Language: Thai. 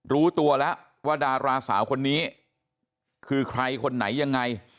รู้ตัวแล้วว่าดาราสาวคนนี้คือใครคนไหนยังไง